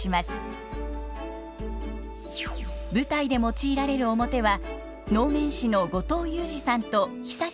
舞台で用いられる面は能面師の後藤祐自さんと尚志さん